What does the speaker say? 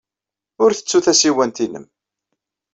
Ur ttettu tasiwant-nnem.